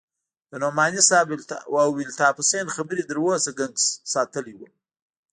د نعماني صاحب او الطاف حسين خبرې تر اوسه گنگس ساتلى وم.